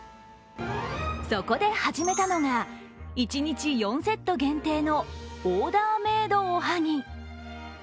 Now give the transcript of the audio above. そこで始めたのが一日４セット限定のオーダーメイドおはぎ。